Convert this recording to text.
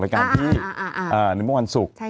แต่อาจจะส่งมาแต่อาจจะส่งมา